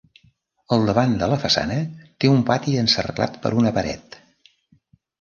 Al davant de la façana té el pati encerclat per una paret.